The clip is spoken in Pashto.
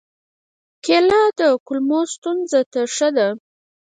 کېله د کولمو ستونزو ته ښه ده.